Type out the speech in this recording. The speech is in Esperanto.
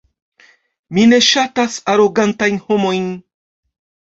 Mi ne ŝatas arogantajn homojn.